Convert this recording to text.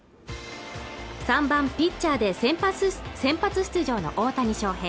３番ピッチャーで先発出場の大谷翔平